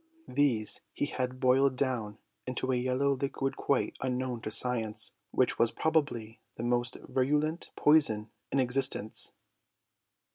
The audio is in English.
These he had boiled down into a yellow liquid quite unknown to science, which was probably the most virulent poison in existence.